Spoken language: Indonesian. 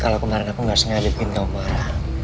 kalau kemarin aku gak sengaja bikin kamu marah